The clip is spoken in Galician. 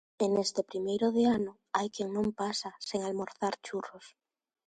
E neste primeiro de ano hai quen non pasa sen almorzar churros.